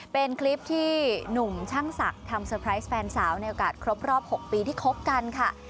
เป็นคลิปที่หนุ่มช่างศักดิ์ทำเตอร์ไพรส์แฟนสาวในโอกาสครบรอบ๖ปีที่คบกันค่ะ